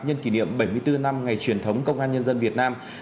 nhân kỷ niệm bảy mươi bốn năm ngày truyền thống công an nhân dân việt nam